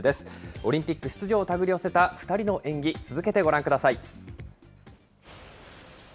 オリンピック出場をたぐり寄せた２人の演技、続けてご覧ください。